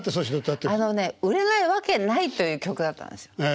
あのね売れないわけないという曲だったんですよ。